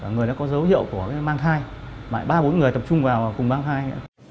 người đã có dấu hiệu của mang thai mà ba bốn người tập trung vào cùng mang thai